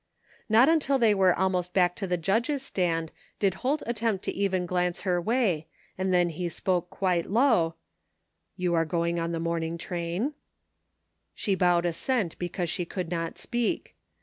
Not until they were almost back to the judges* stand did Holt attempt to even glance her way, and then he spoke quite low :" You are going on the morning train? " She bowed assent because she could not speak.